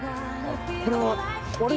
これは？